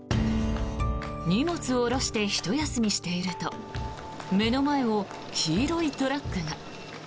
荷物を下ろしてひと休みしていると目の前を黄色いトラックが。